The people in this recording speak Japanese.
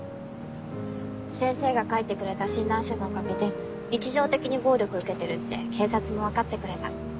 先生が書いてくれた診断書のおかげで日常的に暴力受けてるって警察も分かってくれた。